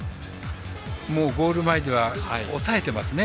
ゴール前では抑えてますね。